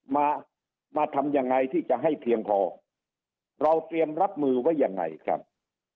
มามาทำยังไงที่จะให้เพียงพอเราเตรียมรับมือไว้ยังไงครับ